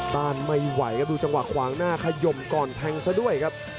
ต้านไม่ไหวครับดูจังหวะขวางหน้าขยมก่อนแทงซะด้วยครับ